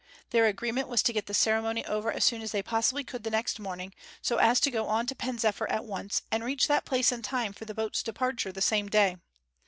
Their agreement was to get the ceremony over as soon as they possibly could the next morning, so as to go on to Pen zephyr at once, and reach that place in time for the boat's departure the same day.